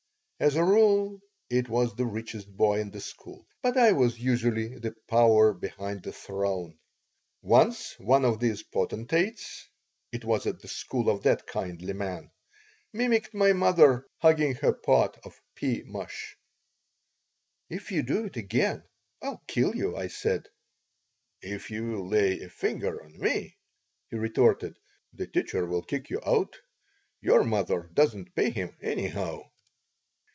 As a rule, it was the richest boy in the school, but I was usually the power behind the throne. Once one of these potentates (it was at the school of that kindly man) mimicked my mother hugging her pot of pea mush "If you do it again I'll kill you," I said "If you lay a finger on me," he retorted, "the teacher will kick you out. Your mother doesn't pay him, anyhow."